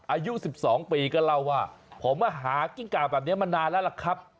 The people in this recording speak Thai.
อายุ๑๒ปีก็เล่าว่าผมหากิ้งก่าแบบนี้มานานแล้วล่ะครับ